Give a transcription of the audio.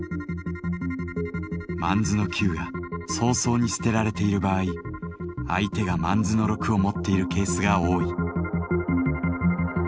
萬子の「九」が早々に捨てられている場合相手が萬子の「六」を持っているケースが多い。